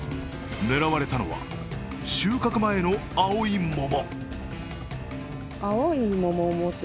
狙われたのは収穫前の青い桃。